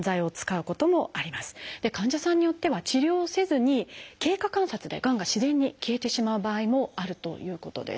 患者さんによっては治療をせずに経過観察でがんが自然に消えてしまう場合もあるということです。